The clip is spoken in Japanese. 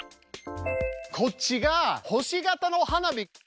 こっちが星形の花火。